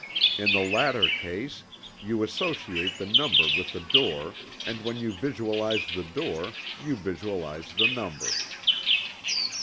In the latter case, you associate the number with the door and when you visualize the door you visualize the number.